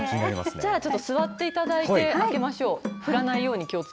じゃあちょっと座っていただいていきましょう。